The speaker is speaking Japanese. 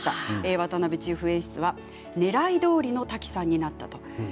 渡邊チーフ演出はねらいどおりのタキさんになったと。